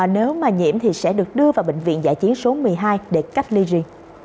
nếu mà nhiễm thì sẽ được đưa vào bệnh viện giải chiến số một mươi hai để cách ly riêng